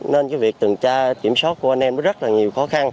nên cái việc tầm tra kiểm soát của anh em nó rất là nhiều khó khăn